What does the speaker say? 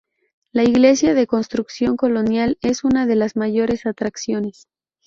La Iglesia de construcción colonial es una de las mayores atracciones.